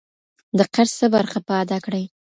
د قرض څه برخه په ادا کړي.